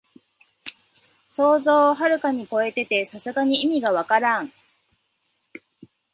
想像をはるかにこえてて、さすがに意味がわからん